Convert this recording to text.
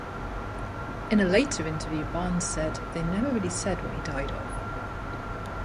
In a later interview, Barnes said, They never really said what he died of.